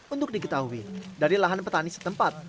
untuk diketahui dari lahan petani setempat